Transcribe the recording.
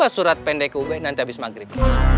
lima surat pendek ke ube nanti abis maghrib